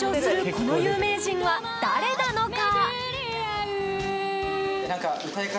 この有名人は誰なのか！？